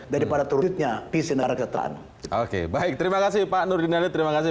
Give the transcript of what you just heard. daripada terwujudnya visi negara kesejahteraan oke baik terima kasih pak nurdin ali terima kasih